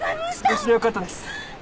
無事でよかったです。